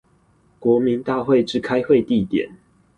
國民大會之開會地點